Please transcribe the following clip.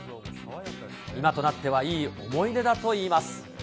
今となってはいい思い出だといいます。